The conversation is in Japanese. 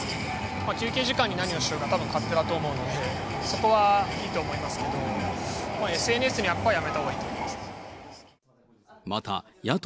休憩時間に何をしようが、たぶん勝手だと思うので、そこはいいと思いますけども、ＳＮＳにアップはやめたほうがいいと思います。